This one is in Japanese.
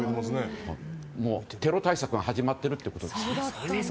テロ対策が始まってるということですね。